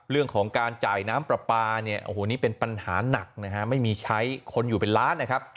เรื่องของการจ่ายน้ำปลาปลาเนี่ยโอ้โหนี่เป็นปัญหาหนักนะฮะไม่มีใช้คนอยู่เป็นล้านนะครับ